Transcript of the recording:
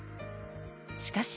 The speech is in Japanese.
しかし。